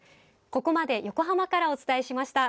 ここまで横浜からお伝えしました。